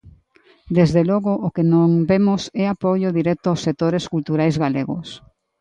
Desde logo o que non vemos é apoio directo aos sectores culturais galegos.